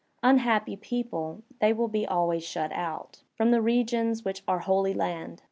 Unhappy people, they will be always shut out From the regions which Are Holy Land!